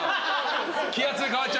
気圧で変わっちゃうから。